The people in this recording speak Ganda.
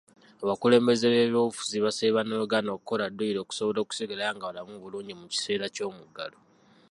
Abakulembeze b'ebyobufuzi basabye bannayuganda okukola dduyiro okusobola okusigala nga balamu bulungi mu kiseera ky'omuggalo.